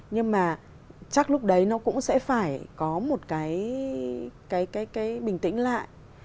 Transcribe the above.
nhưng mà chắc lúc đấy nó cũng sẽ phải có một cái bình tĩnh lại